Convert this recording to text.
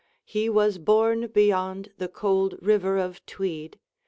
He was borne beyond the cold river of Twede.